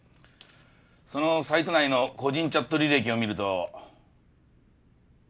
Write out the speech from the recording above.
そのサイト内の個人チャット履歴を見ると。